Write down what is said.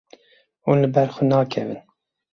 Hûn li ber xwe nakevin.